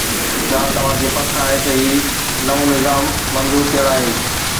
ڇا توهان کي پڪ آهي ته هي نئون نظام منظور ٿيل آهي؟